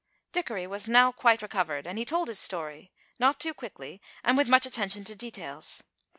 Dickory was now quite recovered and he told his story, not too quickly, and with much attention to details.